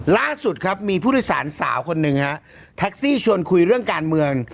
ล่าสุดครับมีผู้โดยสารสาวคนหนึ่งฮะแท็กซี่ชวนคุยเรื่องการเมือง